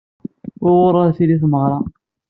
Wuɣur ara d-tili tmeɣra?